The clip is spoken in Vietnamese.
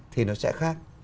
thì nó sẽ khác